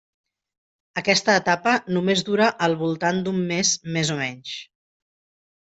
Aquesta etapa només dura al voltant d'un mes més o menys.